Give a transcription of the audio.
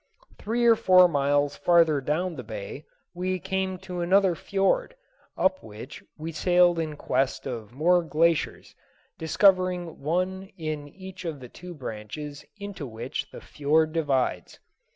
Three or four miles farther down the bay, we came to another fiord, up which we sailed in quest of more glaciers, discovering one in each of the two branches into which the fiord divides.